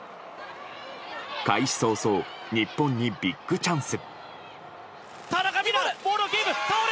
開始早々、日本にビッグチャンス。